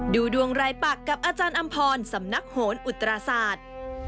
ดูดวงรายปักกับอาจารย์อำพรสำนักโหนอุตราศาสตร์